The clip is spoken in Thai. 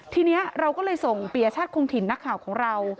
ทีนี้เราก็เลยส่งปียชาติคงถิ่นนักข่าวของเรา